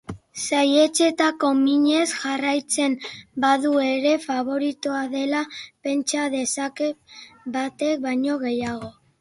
Saihetsetako minez jarraitzen badu ere, faboritoa dela pentsa dezake batek baino gehiagok.